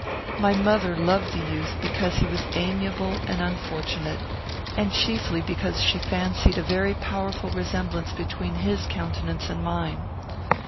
My mother loved the youth because he was amiable and unfortunate, and chiefly because she fancied a very powerful resemblance between his countenance and mine.